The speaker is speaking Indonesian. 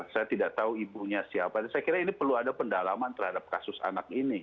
saya tidak tahu ibunya siapa dan saya kira ini perlu ada pendalaman terhadap kasus anak ini